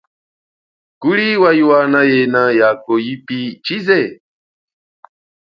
Kuli wa iwana yena yako yipi chize.